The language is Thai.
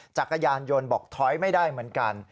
จักรยานยนต์บอกถอยไม่ได้เหมือนกัน